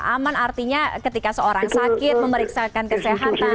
aman artinya ketika seorang sakit memeriksakan kesehatan